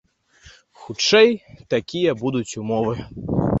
Хутчэй, такія будуць умовы.